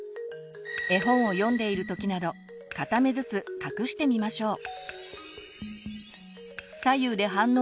絵本を読んでいる時など片目ずつ隠してみましょう。